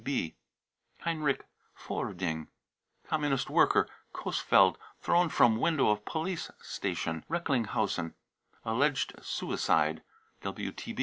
59 (WTB.) heinrich foerding, Com munist worker, Coesfeld, thrown from window of police station, Recklinghausen, alleged suicide.